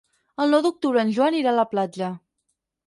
El nou d'octubre en Joan irà a la platja.